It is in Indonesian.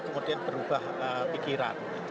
kemudian berubah pikiran